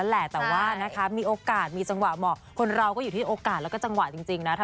เดี๋ยวที่แกจะคุณมากก็ทำตรงเดียวนะฮะ